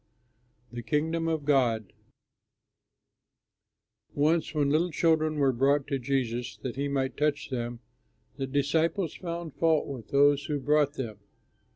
THE KINGDOM OF GOD Once when little children were brought to Jesus that he might touch them, the disciples found fault with those who brought them.